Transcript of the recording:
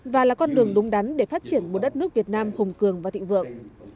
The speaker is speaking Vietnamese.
và là con đường đúng đắn để phát triển một đất nước việt nam hùng cường và thịnh vượng